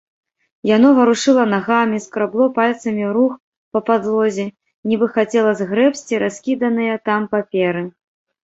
Яно варушыла нагамі, скрабло пальцамі рук па падлозе, нібы хацела згрэбці раскіданыя там паперы.